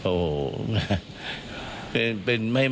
ถ้าบอกว่าผู้ประดิษฐ์เหมือนความเชื่อมั่น